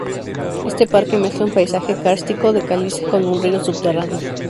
Este parque mezcla un paisaje kárstico de caliza con un río subterráneo.